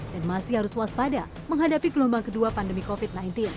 dan masih harus waspada menghadapi gelombang kedua pandemi covid sembilan belas